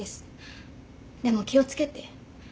でも気を付けて。